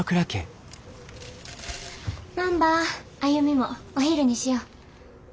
ばんば歩もお昼にしよ。